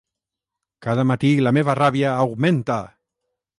Cada matí la meva ràbia augmenta.